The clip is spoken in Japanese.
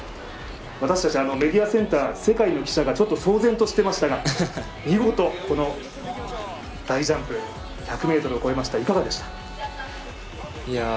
私たちメディアセンター、世界の記者が騒然としていましたが見事、この大ジャンプ、１００ｍを超えました、いかがでしたか？